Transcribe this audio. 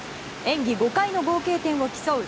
演技５回の合計点を競う